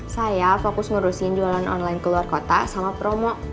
saya fokus ngurusin jualan online keluar kota sama promo